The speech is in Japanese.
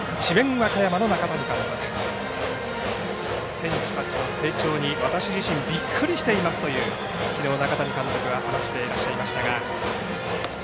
和歌山の中谷監督選手たちの成長に私自身びっくりしていますときのう中谷監督は話していました。